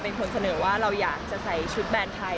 เป็นคนเสนอว่าเราอยากจะใส่ชุดแบรนด์ไทย